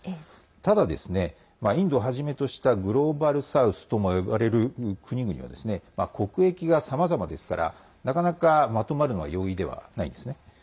ただ、インドをはじめとしたグローバル・サウスとも呼ばれる国々は国益がさまざまですからなかなか、まとまるのは容易ではないんですね。